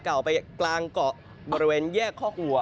เก่าไปกลางเกาะบริเวณแยกคอกหัว